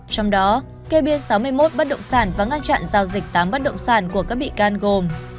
trong đó kê biên sáu mươi một bắt động sản vắng ngăn chặn giao dịch tám bắt động sản của các bị can gồm